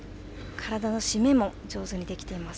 体の締めも上手にできています。